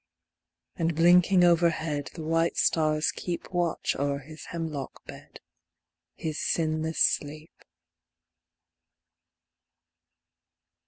And blinking overhead the white stars keep Watch o'er his hemlock bed his sinless sleep.